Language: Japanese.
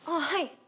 はい。